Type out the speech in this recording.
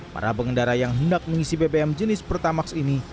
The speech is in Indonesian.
para pengendara yang hendak mengisi bbm jenis pertamax ini